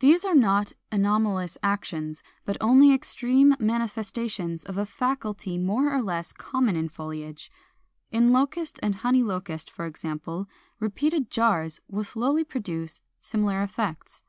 These are not anomalous actions, but only extreme manifestations of a faculty more or less common in foliage. In Locust and Honey Locusts for example, repeated jars will slowly produce similar effects.